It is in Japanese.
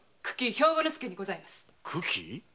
兵庫助にございます。